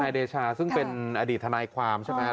เดชาซึ่งเป็นอดีตทนายความใช่ไหม